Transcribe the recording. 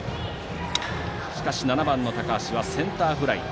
しかし７番の高橋はセンターフライ。